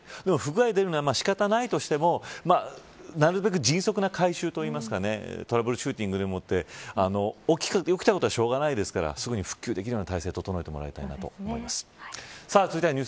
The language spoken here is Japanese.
不具合が出るのは仕方がないとしてもなるべく迅速な回収というかトラブルシューティングでもって起きたことはしょうがないですからすぐに復旧できるような体制を整えてもらいたいと思います。